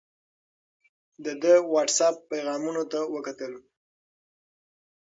ده د وټس اپ پیغامونو ته وکتل.